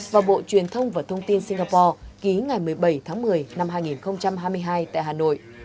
và bộ truyền thông và thông tin singapore ký ngày một mươi bảy tháng một mươi năm hai nghìn hai mươi hai tại hà nội